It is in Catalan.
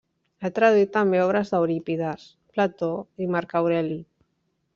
Ha traduït també obres d'Eurípides, Plató i Marc Aureli.